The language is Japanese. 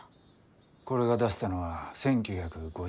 これが出せたのは１９５５年です。